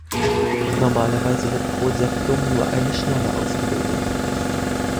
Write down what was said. Normalerweise wird pro Septum nur eine Schnalle ausgebildet.